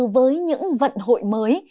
với những vận hội mới